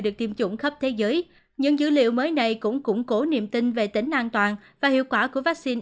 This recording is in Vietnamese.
được tiêm chủng khắp thế giới những dữ liệu mới này cũng củng cố niềm tin về tính an toàn và hiệu quả của vaccine